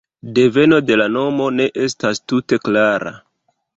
Deveno de la nomo ne estas tute klara.